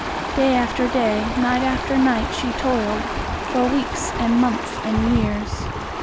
Day after day, night after night she toiled, for weeks and months and years.